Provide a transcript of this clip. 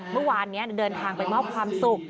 เมื่อวานนี้เดินทางไปมอบความสุข